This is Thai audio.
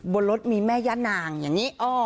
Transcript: บนรถมีแม่ย่านางอย่างนี้